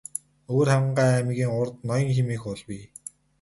Өвөрхангай аймгийн урд Ноён хэмээх уул бий.